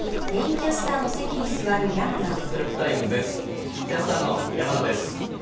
キャスターの山名です。